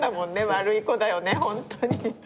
悪い子だよねホントに。